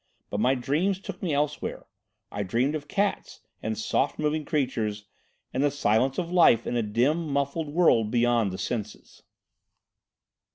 But my dreams took me elsewhere. I dreamed of cats, and soft moving creatures, and the silence of life in a dim muffled world beyond the senses."